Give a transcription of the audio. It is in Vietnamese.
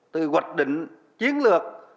từ hoạch định chiến lược